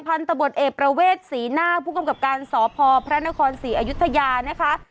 พันธบทเอกประเวทศรีนาคผู้กำกับการสพพระนครศรีอยุธยานะคะ